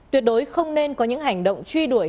tuyệt đối không nên có những hành động truy đuổi